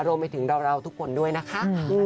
รวมไปถึงเราทุกคนด้วยนะคะ